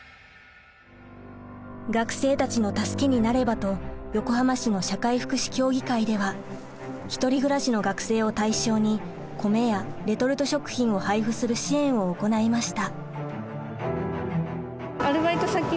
学生たちの助けになればと横浜市の社会福祉協議会では１人暮らしの学生を対象に米やレトルト食品を配布する支援を行いました。